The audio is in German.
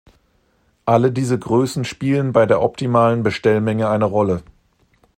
Alle diese Größen spielen bei der optimalen Bestellmenge eine Rolle.